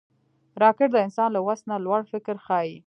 راکټ د انسان له وس نه لوړ فکر ښيي